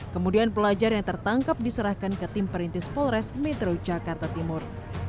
kemudian pelajar yang tertangkap diserahkan ke tim perintis polres metro jakarta timur